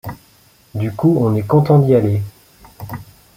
Du coup on est contents d’y aller.